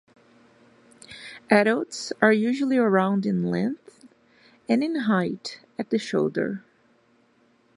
Adults are usually around in length and in height at the shoulder.